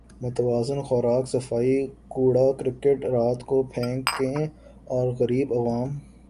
متوازن خوراک صفائی کوڑا کرکٹ رات کو پھینکیں اور غریب عوام